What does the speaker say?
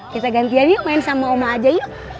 kita gantian yuk main sama oma aja yuk